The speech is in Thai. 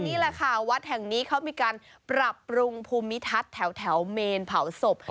นี่แหละค่ะวัดแห่งนี้เขามีการปรับปรุงภูมิทัศน์แถวเมนเผาศพ